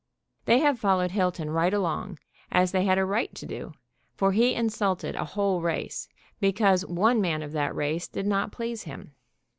They have followed Hilton right along, as they had a right to do, for he insulted a whole race, because one man of that race did not please him.